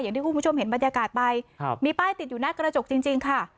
อย่างที่คุณผู้ชมเห็นบรรยากาศไปครับมีป้ายติดอยู่หน้ากระจกจริงค่ะ